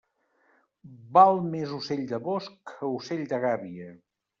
Val més ocell de bosc que ocell de gàbia.